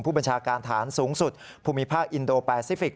ผู้บัญชาการฐานสูงสุดภูมิภาคอินโดแปซิฟิกส